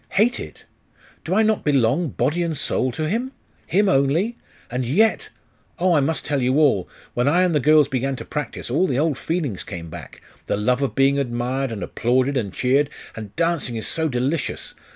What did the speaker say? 'Hate it? Do I not belong, body and soul, to him? him only?.... And yet.... Oh, I must tell you all! When I and the girls began to practise, all the old feelings came back the love of being admired, and applauded, and cheered; and dancing is so delicious!